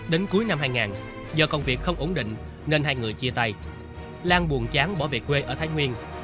đến cuối năm hai nghìn do công việc không ổn định nên hai người chia tay lan buồn chán bỏ về quê ở thái nguyên